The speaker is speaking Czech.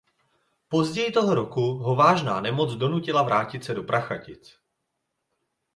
Později toho roku ho vážná nemoc donutila vrátit se do Prachatic.